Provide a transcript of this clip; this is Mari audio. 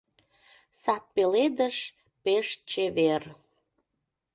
Сад пеледыш пеш чевер.